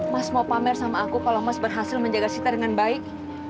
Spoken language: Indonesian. mas mau pamer sama aku kalau mas berhasil menjaga sita dengan baik